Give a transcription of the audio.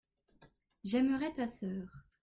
J’aimerai ta sœur.